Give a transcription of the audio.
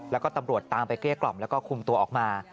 แล้วก็ตำรวจตามไปเกลี้ยกล่อมแล้วก็คุมตัวออกมา